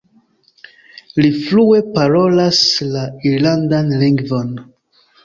Li flue parolas la irlandan lingvon.